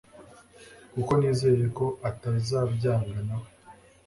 kuko nizeye ko atazabyanga nawe